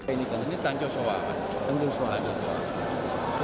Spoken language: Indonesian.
ini tanjong soa